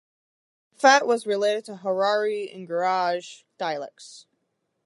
Gafat was related to Harari and Gurage dialects.